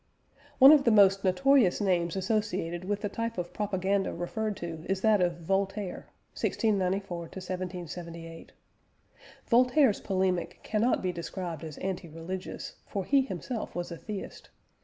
One of the most notorious names associated with the type of propaganda referred to is that of Voltaire (1694 1778). Voltaire's polemic cannot be described as anti religious, for he himself was a theist.